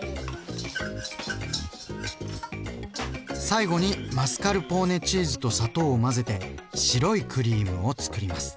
最後にマスカルポーネチーズと砂糖を混ぜて白いクリームをつくります。